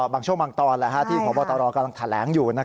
บางช่วงบางตอนที่พบตรกำลังแถลงอยู่